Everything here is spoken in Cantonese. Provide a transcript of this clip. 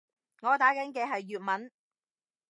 我打緊嘅係粵文